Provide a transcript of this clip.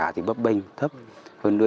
hiệu quả thì bấp bênh thấp hơn nữa